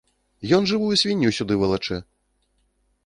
Ён жывую свінню сюды валачэ!